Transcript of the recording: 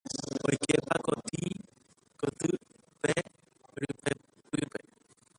Oikepa koty rypepýpe.